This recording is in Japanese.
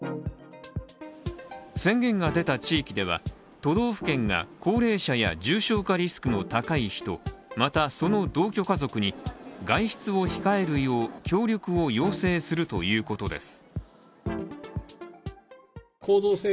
宣言が出た地域では都道府県が高齢者や重症化リスクの高い人、また、その同居家族に外出を控えるよう協力を要請するということです。